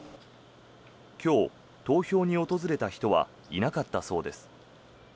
今日、投票に訪れた人はいなかったそうです。